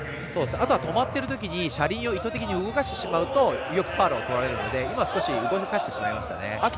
あとは止まっているときに車輪を意図的に動かすとよくファウルを取られますので今、動かしてしまいましたね。